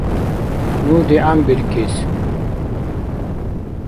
Ну дигӀянбиркис